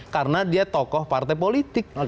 karena dia tokoh partai politik